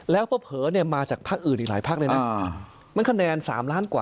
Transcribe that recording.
แล้วเพราะเผอเนี่ยมาจาก